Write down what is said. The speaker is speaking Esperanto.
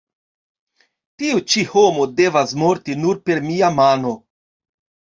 Tiu ĉi homo devas morti nur per mia mano.